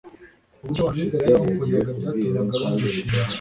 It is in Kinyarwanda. Uburyo abantu b'i Galilaya bamukundaga byatumaga bamwishimira;